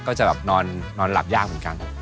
ก็จะแบบนอนหลับยากเหมือนกัน